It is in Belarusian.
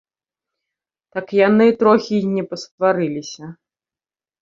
Так яны трохі й не пасварыліся.